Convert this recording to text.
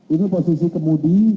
ini posisi kemudi